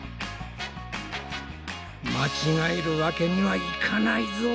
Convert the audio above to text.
間違えるわけにはいかないぞ。